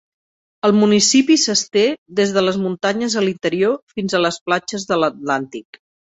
El municipi s'esté des les muntanyes a l'interior, fins a les platges de l'Atlàntic.